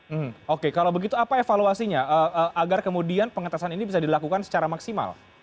hmm oke kalau begitu apa evaluasinya agar kemudian pengetesan ini bisa dilakukan secara maksimal